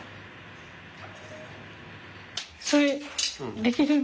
それできるの？